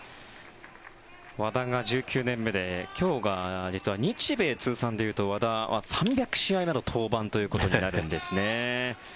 和田が１９年目で今日が、実は日米通算でいうと和田は３００試合目の登板ということになるんですね。